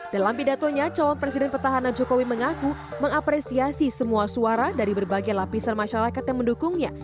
dalam pidatonya calon presiden petahana jokowi mengaku mengapresiasi semua suara dari berbagai lapisan masyarakat yang mendukungnya